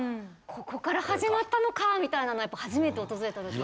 ここから始まったのかみたいなのやっぱ初めて訪れた時。